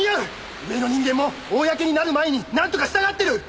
上の人間も公になる前になんとかしたがってる！